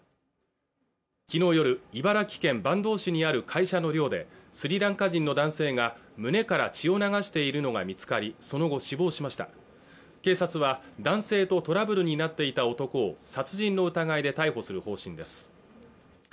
昨日夜茨城県坂東市にある会社の寮でスリランカ人の男性が胸から血を流しているのが見つかりその後死亡しました警察は男性とトラブルになっていた男を殺人の疑いで逮捕する方針です